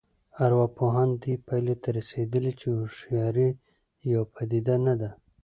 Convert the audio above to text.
ارواپوهان دې پایلې ته رسېدلي چې هوښیاري یوه پدیده نه ده